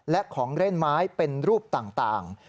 และของเล่นไม้เป็นรูปต่าง